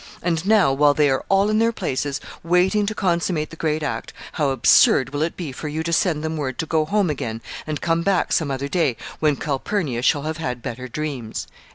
And now, while they are all in their places, waiting to consummate the great act, how absurd will it be for you to send them word to go home again, and come back some other day, when Calpurnia shall have had better dreams!"